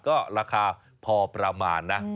ก็ราคาพอประมาณนะ